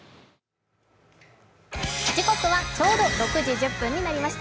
時刻はちょうど６時１０分になりました。